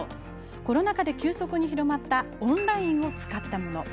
コロナ禍で急速に広まったオンラインを使ったもの。